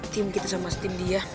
tim kita sama tim dia